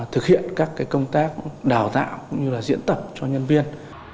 thực hiện các công tác đào tạo cũng như là diễn tập cho nhân viên